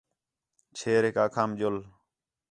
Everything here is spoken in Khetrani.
چھیریک آکھام ڄُل